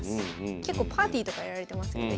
結構パーティーとかやられてますよね。